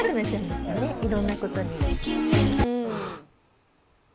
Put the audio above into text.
いろんなことに。